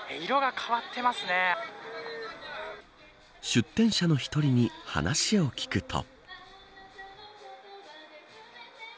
出店者の１人に話を聞くと。